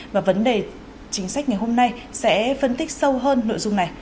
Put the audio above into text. và vấn đề chính sách ngày hôm nay sẽ phân tích sâu hơn nội dung này